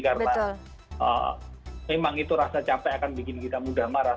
karena memang itu rasa capek akan bikin kita mudah marah